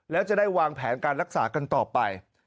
แล้วจะได้วางแผนการรักษากันต่อไป